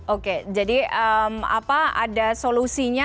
oke jadi ada solusinya